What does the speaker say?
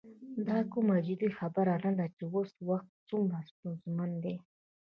دا کومه جدي خبره نه ده چې اوس وخت څومره ستونزمن دی.